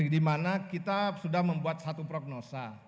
di mana kita sudah membuat satu prognosa